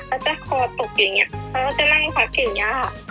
เขาจะคอตกอย่างนี้เขาก็จะนั่งพักสิ่งนี้ค่ะ